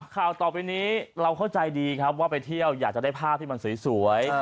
ข่าวต่อไปนี้เราเข้าใจดีครับว่าไปเที่ยวอยากจะได้ภาพที่มันสวย